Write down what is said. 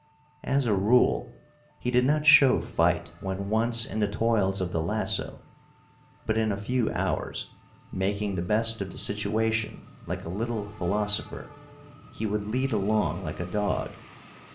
As a rule, he did not show fight when once in the toils of the lasso; but in a few hours, making the best of the situation like a little philosopher, he would lead along like a dog.